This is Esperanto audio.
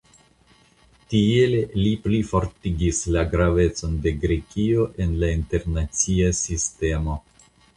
Tiele li plifortigis la gravecon de Grekio en la internacia sistemo.